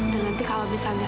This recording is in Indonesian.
dan nanti kalau misalnya